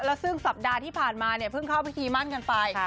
แล้วซึ่งสัปดาห์ที่ผ่านมาเนี่ยเพิ่งเข้าพิธีมั่นกันไป